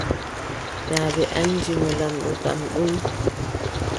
Naa ɓe anndino lamɗo kam ɗon.